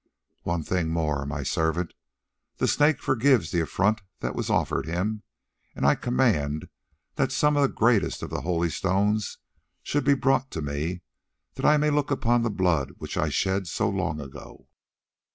One thing more, my servant; the Snake forgives the affront that was offered him, and I command that some of the greatest of the holy stones should be brought to me, that I may look on the blood which I shed so long ago."